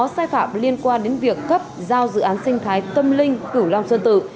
sai phạm liên quan đến việc cấp giao dự án sinh thái tâm linh cửu long sơn tự